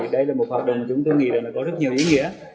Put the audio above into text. đây là một hoạt động chúng tôi nghĩ là có rất nhiều ý nghĩa